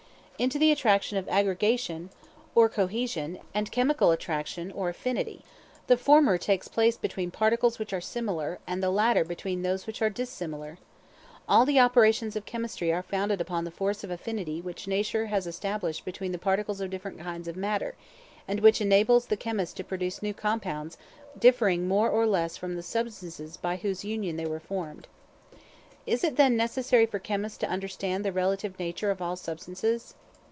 Into the attraction of aggregation, or cohesion; and chemical attraction, or affinity. The former takes place between particles which are similar, and the latter between those which are dissimilar. All the operations of chemistry are founded upon the force of affinity which Nature has established between the particles of different kinds of matter, and which enables the chemist to produce new compounds differing more or less from the substances by whose union they were formed. Is it, then, necessary for chemists to understand the relative nature of all substances?